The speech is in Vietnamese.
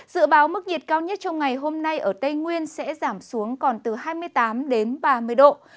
dự báo mức nhiệt cao nhất trong ngày hôm nay ở tây nguyên sẽ giảm xuống còn từ hai mươi tám đến ba mươi độ